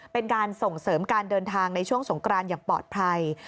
เป็นการส่งเสริมการเดินทางในช่วงสงกรานอย่างปลอดภัย